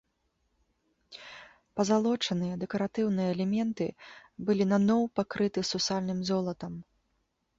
Пазалочаныя дэкаратыўныя элементы былі наноў пакрыты сусальным золатам.